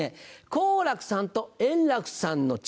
「好楽さんと円楽さんの違い」。